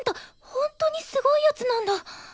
ほんとにすごい奴なんだ。